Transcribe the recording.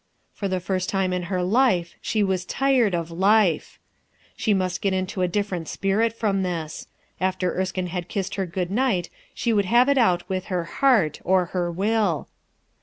For the first time in her life she was tired of life ! She must get into a different spirit from this. After Erskine had kissed her good night she would have it out with her heart, or her will.